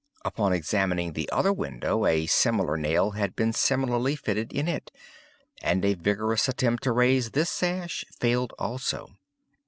Upon examining the other window, a similar nail was seen similarly fitted in it; and a vigorous attempt to raise this sash, failed also.